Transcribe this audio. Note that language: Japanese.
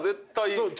そう。